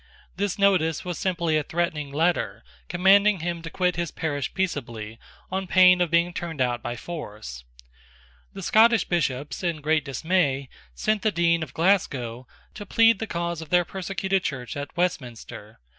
This notice was simply a threatening letter, commanding him to quit his parish peaceably, on pain of being turned out by force, The Scottish Bishops, in great dismay, sent the Dean of Glasgow to plead the cause of their persecuted Church at Westminster.